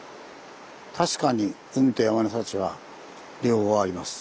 確かに海と山の幸は両方あります。